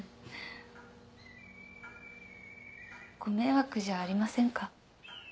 ご迷惑じゃありませんか？